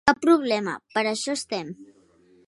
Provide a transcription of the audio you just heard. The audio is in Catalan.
Cap problema, per a això estem.